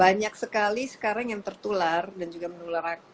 banyak sekali sekarang yang tertular dan juga menular